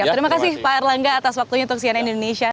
terima kasih pak erlangga atas waktunya untuk cnn indonesia